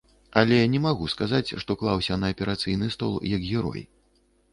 Але не магу сказаць, што клаўся на аперацыйны стол як герой.